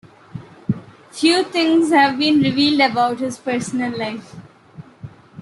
Few things have been revealed about his personal life.